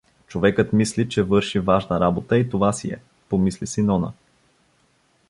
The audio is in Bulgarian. „Човекът мисли, че върши важна работа и това си е“ — помисли си Нона.